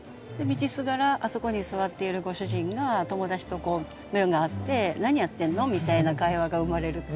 道すがらあそこに座っているご主人が友達と目が合って「何やってんの？」みたいな会話が生まれるっていうか。